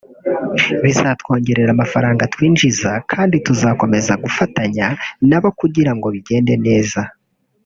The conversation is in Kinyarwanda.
bizatwongerera amafaranga twinjiza kandi tuzakomeza gufatanya nabo kugira ngo bigende neza